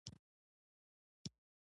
په ایران کې اوسېدل.